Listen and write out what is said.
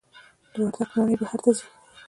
د وردګو مڼې بهر ته ځي؟